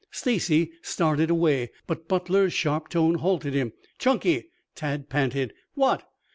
Stacy started away, but Butler's sharp tone halted him. "Chunky!" Tad panted. "What?"